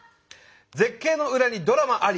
絶景の裏にドラマあり。